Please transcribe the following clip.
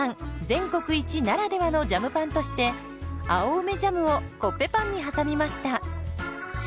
全国一ならではのジャムパンとして青梅ジャムをコッペパンに挟みました。